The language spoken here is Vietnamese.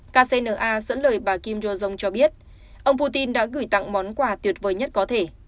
kcna dẫn lời bà kim jong cho biết ông putin đã gửi tặng món quà tuyệt vời nhất có thể